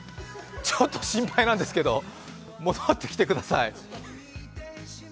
ちょっと心配なんですけど、戻ってきてください。